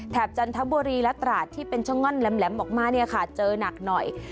แถบจันทบุรีและตราดที่เป็นช่องง่อนแหลมออกมาเจอหนักหน่อย